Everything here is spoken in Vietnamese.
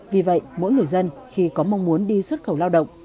vì vậy mỗi người dân khi có mong muốn đi xuất khẩu lao động